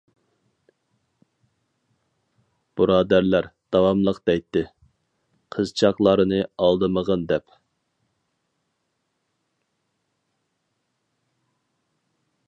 بۇرادەرلەر داۋاملىق دەيتتى، قىزچاقلارنى ئالدىمىغىن دەپ.